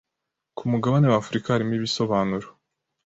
ku mugabane wa Afurika harimo ibisobanuro